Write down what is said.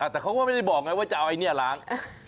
แต่เขาก็ไม่ได้บอกไงว่าจะเอาไอ้เนี่ยล้าง